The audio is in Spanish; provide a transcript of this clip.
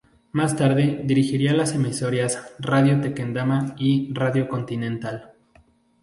Más tarde dirigiría las emisoras "Radio Tequendama" y "Radio Continental".